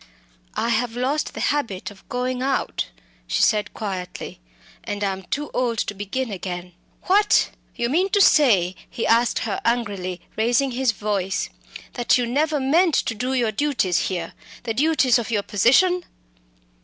"I have lost the habit of going out," she said quietly, "and am too old to begin again." "What! you mean to say," he asked her angrily, raising his voice, "that you have never meant to do your duties here the duties of your position?"